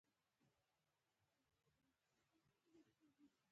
مستو ورته وویل: د غله شړک هم زموږ کور ته راغی.